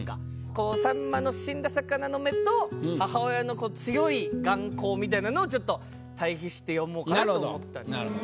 こう秋刀魚の死んだ魚の目と母親のこう強い眼光みたいなのをちょっと対比して詠もうかなと思ったんですけど。